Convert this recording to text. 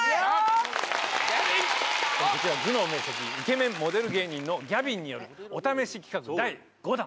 頭脳明晰イケメンモデル芸人のギャビンによるお試し企画第５弾。